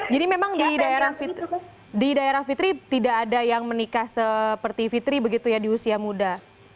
jadi memang di daerah fitri tidak ada yang menikah seperti fitri begitu ya di usia muda